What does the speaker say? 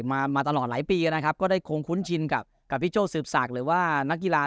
มามาตลอดหลายปีนะครับก็ได้คงคุ้นชินกับพี่โจ้สืบศักดิ์หรือว่านักกีฬา